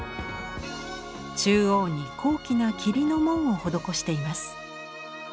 中央に高貴な桐の紋を施しています。